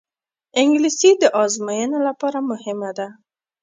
انګلیسي د ازموینو لپاره مهمه ده